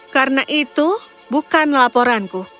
karena itu bukan laporanku